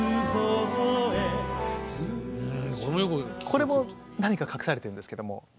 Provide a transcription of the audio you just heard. これも何か隠されてるんですけども。